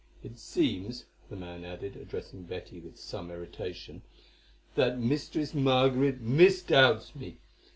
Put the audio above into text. It seems," the man added, addressing Betty with some irritation, "that Mistress Margaret misdoubts me.